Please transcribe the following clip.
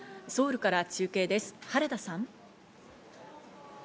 ソウルから中継です、原田さん。